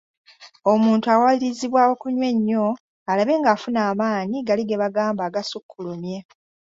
Omuntu awalirizibwa okunywa ennyo alabe ng'afuna amaanyi gali ge bagamba agasukkulumye.